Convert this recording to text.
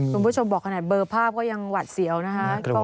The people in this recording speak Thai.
คุณผู้ชมบอกขนาดเบอร์ภาพก็ยังหวัดเสียวนะครับ